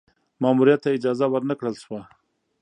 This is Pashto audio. ماموریت ته اجازه ور نه کړل شوه.